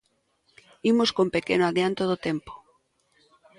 Imos cun pequeno adianto do tempo.